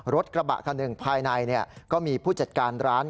รถกระบะคันหนึ่งภายในก็มีผู้จัดการร้าน